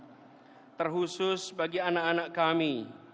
berikan kekuatan khusus bagi anak anak kami